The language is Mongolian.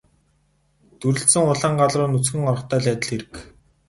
Дүрэлзсэн улаан гал руу нүцгэн орохтой л адил хэрэг.